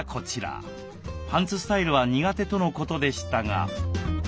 パンツスタイルは苦手とのことでしたが。